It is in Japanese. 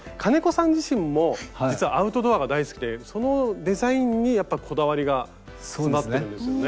さん自身も実はアウトドアが大好きでそのデザインにやっぱこだわりが詰まってるんですよね。